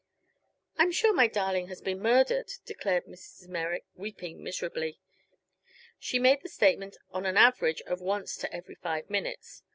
"I'm sure my darling has been murdered!" declared Mrs. Merrick, weeping miserably. She made the statement on an average of once to every five minutes.